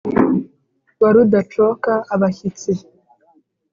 Wa rudacoka abashyitsi